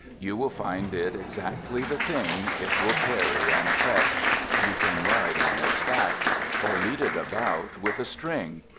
You will find it exactly the thing: It will carry and fetch, you can ride on its back, Or lead it about with a string.